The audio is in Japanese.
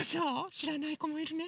しらないこもいるね！